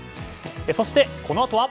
そして、このあとは。